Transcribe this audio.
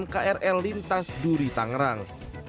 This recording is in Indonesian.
krl lintas duri tangerang